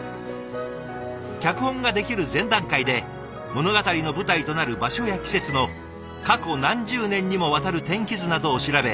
脚本が出来る前段階で物語の舞台となる場所や季節の過去何十年にもわたる天気図などを調べ